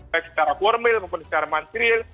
baik secara formil maupun secara material